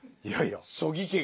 いやいや。